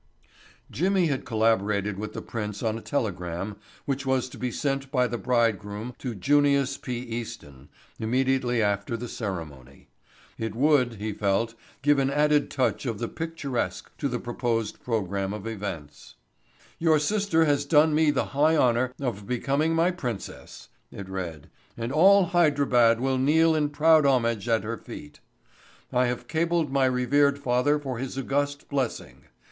Jimmy had collaborated with the prince on a telegram which was to be sent by the bridegroom to Junius P. Easton immediately after the ceremony. It would, he felt, give an added touch of the picturesque to the proposed program of events: "Your sister has done me the high honor of becoming my princess," it read, "and all Hydrabad will kneel in proud homage at her feet. I have cabled my revered father for his august blessing.